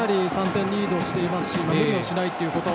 ３点リードしていますし無理をしないこと。